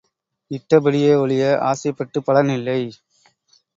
இட்ட படியே ஒழிய ஆசைப்பட்டுப் பலன் இல்லை.